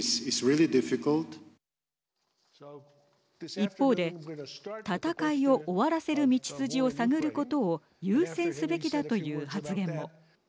一方で、戦いを終わらせる道筋を探ることを優先すべきだという発言も。